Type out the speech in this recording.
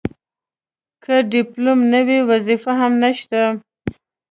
که ډیپلوم نه وي وظیفه هم نشته.